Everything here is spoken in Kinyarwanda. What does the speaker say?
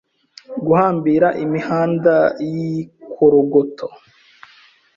guhambira imiganda y'inkorogoto